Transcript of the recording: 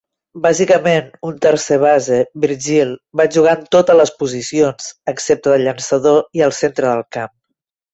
Bàsicament un tercer base, Virgil va jugar en totes les posicions, excepte de llançador i al centre del camp.